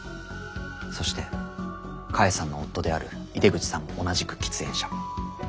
そして菓恵さんの夫である井出口さんも同じく喫煙者。